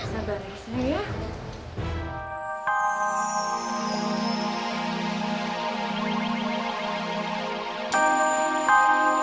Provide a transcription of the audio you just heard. sabarnya isnya ya